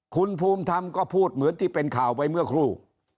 คุณภูมิธรรมก็พูดเหมือนที่เป็นข่าวไปเมื่อครู